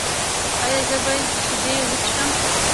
ایا زه باید شیدې وڅښم؟